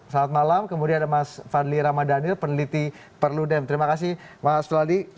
selamat malam kemudian ada mas fadli ramadhanil peneliti perludem terima kasih mas faldi